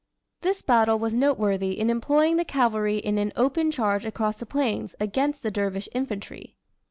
This battle was noteworthy in employing the cavalry in an open charge across the plains against the dervish infantry.